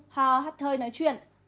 hoa hoa hát thơi nói chuyện